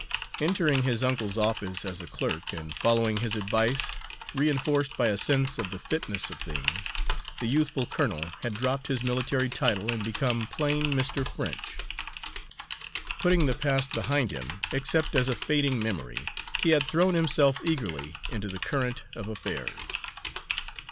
Entering his uncle's office as a clerk, and following his advice, reinforced by a sense of the fitness of things, the youthful colonel had dropped his military title and become plain Mr. French. Putting the past behind him, except as a fading memory, he had thrown himself eagerly into the current of affairs.